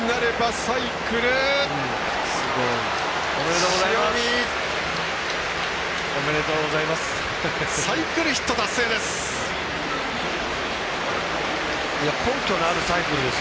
サイクルヒット達成です。